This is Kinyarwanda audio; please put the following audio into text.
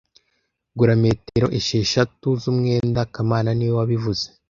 Gura metero esheshatu zumwenda kamana niwe wabivuze